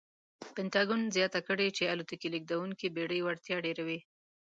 پنټاګون زیاته کړې چې الوتکې لېږدونکې بېړۍ وړتیا ډېروي.